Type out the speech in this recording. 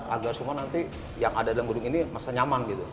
agar semua nanti yang ada dalam gedung ini masa nyaman gitu